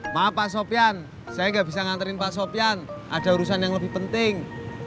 maaf pak sofian saya nggak bisa nganterin pak sofian ada urusan yang lebih penting